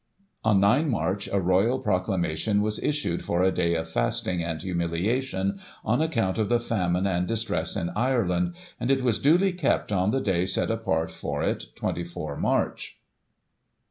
On 9 March a Royal Proclamation was issued for a day of Fasting and humiliation on account of the famine and distress in Ireland, and it was duly kept on the day set apart for it, 24 March.